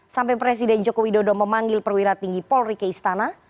sampai presiden joko widodo memanggil perwira tinggi polri ke istana